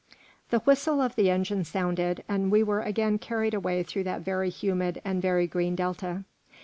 The whistle of the engine sounded, and we were again carried away through that very humid and very green Delta.